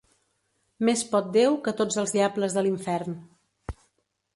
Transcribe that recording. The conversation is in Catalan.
Més pot Déu que tots els diables de l'infern.